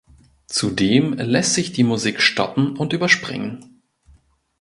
Zudem lässt sich die Musik stoppen und überspringen.